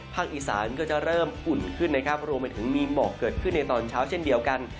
อีสานก็จะเริ่มอุ่นขึ้นนะครับรวมไปถึงมีหมอกเกิดขึ้นในตอนเช้าเช่นเดียวกัน